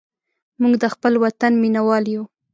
موږ د خپل وطن مینهوال یو.